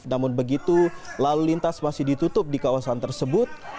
namun begitu lalu lintas masih ditutup di kawasan tersebut